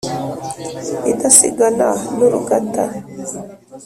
idasigana n’urugata,